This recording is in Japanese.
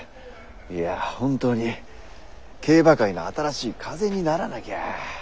いや本当に競馬界の新しい風にならなきゃ。